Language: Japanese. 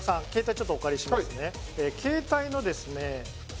ちょっとお借りします